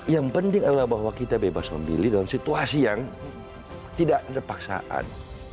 yang penting adalah bahwa kita bebas memilih dalam situasi yang tidak ada paksaan